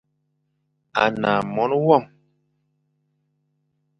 A ne é Mone wam.